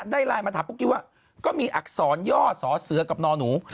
ไลน์มาถามปุ๊กกี้ว่าก็มีอักษรย่อสอเสือกับนอหนู